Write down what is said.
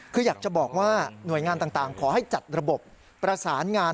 คืออยากจะบอกว่าหน่วยงานต่างขอให้จัดระบบประสานงาน